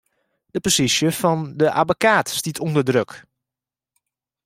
De posysje fan 'e abbekaat stiet ûnder druk.